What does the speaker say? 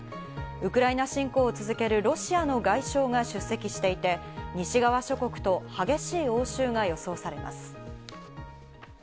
ウクライナ侵攻を続けるロシアの外相が出席していて、西側諸国と激しい応酬が予想されます。